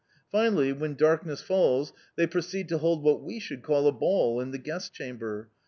Finally, when darkness falls, they proceed to hold what we should call a ball in the guest chamber.